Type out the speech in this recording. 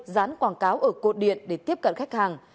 dán quảng cáo ở cột điện để tiếp cận khách hàng